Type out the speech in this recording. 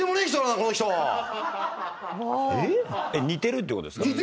似てるってことですか？